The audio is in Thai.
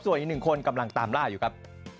ส่วนอีกหนึ่งคนกำลังตามล่าอยู่ครับ